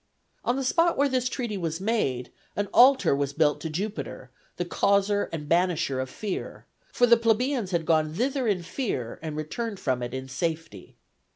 On the spot where this treaty was made, an altar was built to Jupiter, the causer and banisher of fear, for the plebeians had gone thither in fear and returned from it in safety.